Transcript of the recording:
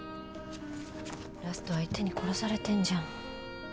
ラスト相手に殺されてんじゃん。